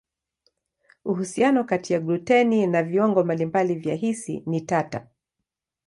Uhusiano kati ya gluteni na viwango mbalimbali vya hisi ni tata.